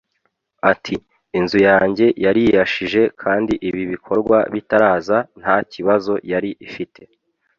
Ati " Inzu yanjye yariyashije kandi ibi bikorwa bitaraza nta kibazo yari ifite